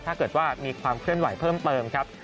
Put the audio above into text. ถ้าเกิดว่ามีความเคลื่อนไหวเพิ่มเติมครับ